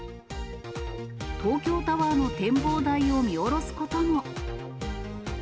東京タワーの展望台を見下ろすことも。